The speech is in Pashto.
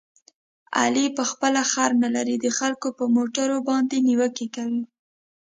علي په خپله خر نه لري، د خلکو په موټرو باندې نیوکې کوي.